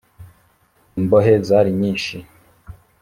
imbohe zarinyishi.